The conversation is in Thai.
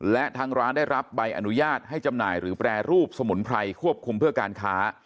และทางร้านได้รับใบอนุญาตให้จำหน่ายหรือแปรรูปสมุนไพรควบคุมเพื่อการค้า